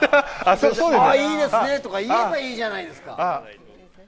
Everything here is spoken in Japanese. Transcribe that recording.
いいですねとか言えばいいじゃないですか。